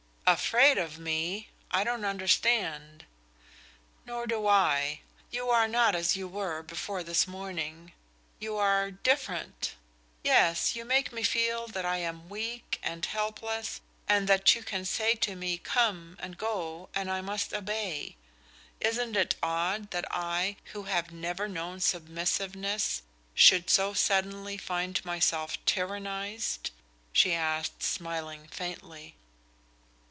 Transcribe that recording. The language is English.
"Afraid of me? I don't understand." "Nor do I. You are not as you were before this morning. You are different yes, you make me feel that I am weak and helpless and that you can say to me 'come' and 'go' and I must obey. Isn't it odd that I, who have never known submissiveness, should so suddenly find myself tyrannized?" she asked, smiling faintly.